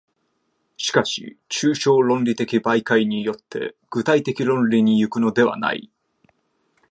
しかし抽象論理的媒介によって具体的論理に行くのではない。